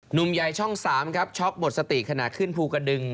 หนุ่มใหญ่ช่อง๓ครับช็อกหมดสติขณะขึ้นภูกระดึง